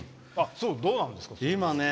どうなんですか？